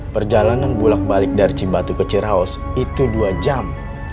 perjalanan bulat balik dari cibatu ke ciraos itu dua jam